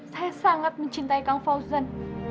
saya sangat mencintai kang fauzan